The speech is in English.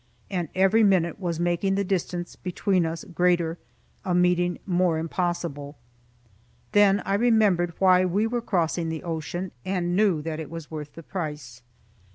And every minute was making the distance between us greater, a meeting more impossible. Then I remembered why we were crossing the ocean, and knew that it was worth the price.